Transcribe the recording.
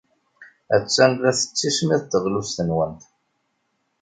Attan la tettismiḍ teɣlust-nwent.